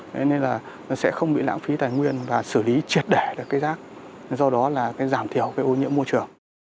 nên là nó sẽ không bị lãng phí tài nguyên và xử lý triệt đẻ được cái rác do đó là giảm thiểu cái ô nhiễm môi trường